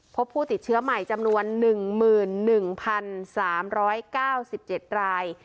พบผู้ติดเชื้อใหม่จำนวน๑๑๓๙๗ราย